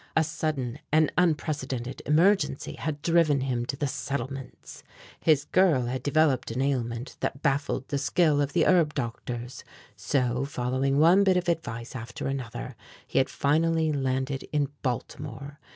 A sudden and unprecedented emergency had driven him to the "Settlements." His girl had developed an ailment that baffled the skill of the herb doctors; so, following one bit of advice after another, he had finally landed in Baltimore.